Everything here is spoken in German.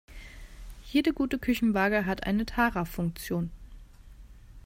Jede gute Küchenwaage hat eine Tara-Funktion.